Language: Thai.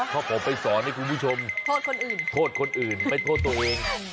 เพราะผมไปสอนให้คุณผู้ชมโทษคนอื่นโทษคนอื่นไม่โทษตัวเอง